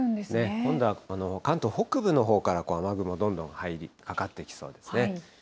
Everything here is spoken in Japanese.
今度は関東北部のほうから、雨雲どんどん入り、かかってきそうですね。